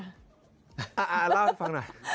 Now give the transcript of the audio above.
อ่าอ่าเล่าให้ฟังหน่อย